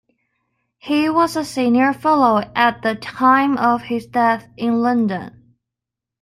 He was a senior fellow at the time of his death in London.